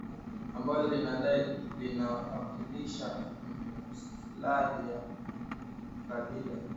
ambalo linadai linawakilisha maslahi ya kabila la walendu